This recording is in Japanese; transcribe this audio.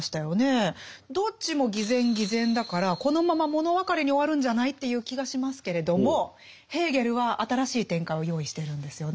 どっちも偽善偽善だからこのまま物別れに終わるんじゃない？という気がしますけれどもヘーゲルは新しい展開を用意してるんですよね。